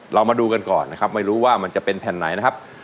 เรามาดูกันก่อนนะครับไม่รู้ว่ามันจะเป็นแผ่นไหนนะครับ